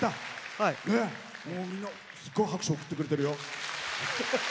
みんな、すごく拍手を送ってくれてるよ。